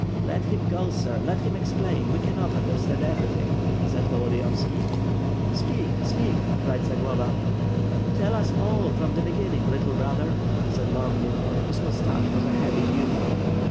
"Let him go, sir, let him explain; we cannot understand everything," said Volodiyovski. "Speak, speak!" cried Zagloba. "Tell us all, from the beginning, little brother," said Longin, on whose moustache was a heavy dew.